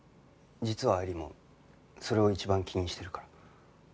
実は愛理もそれを一番気にしてるから。